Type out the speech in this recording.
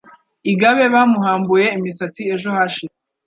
Igabe bamuhambuye imisatsi ejo hashize